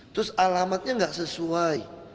terus alamatnya gak sesuai